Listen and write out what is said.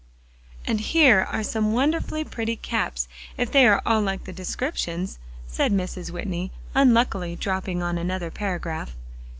"And here are some wonderfully pretty caps, if they are all like the descriptions," said Mrs. Whitney, unluckily dropping on another paragraph.